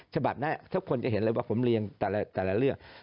ฉบับนี้ทุกคนจะเห็นเลยว่าผมเรียงแต่ละเรื่อง